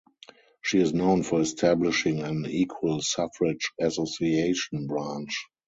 She is known for establishing an "Equal Suffrage Association" branch.